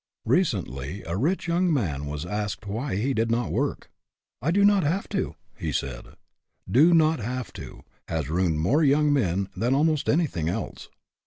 Recently a rich young man was asked why HAPPY? IF NOT, WHY NOT? 153 he did not work. " I do not have to," he said. " Do not have to " has ruined more young men than almost anything else.